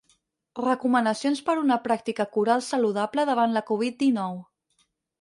Recomanacions per una pràctica coral saludable davant la Covid dinou.